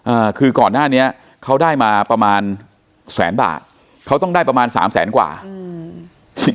อ่าคือก่อนหน้านี้เขาได้มาประมาณแสนบาทเขาต้องได้ประมาณสามแสนกว่าอืม